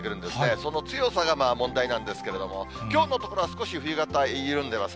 その強さが問題なんですけれども、きょうのところは少し冬型、緩んでます。